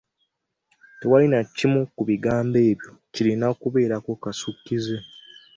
Tewali na kimu ku bigambo ebyo kirina kubeerako kasukkize.